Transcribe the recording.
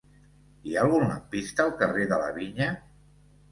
Hi ha algun lampista al carrer de la Vinya?